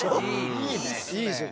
いいねえ。